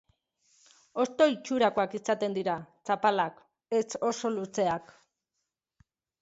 Hosto-itxurakoak izaten dira, zapalak, ez oso luzeak.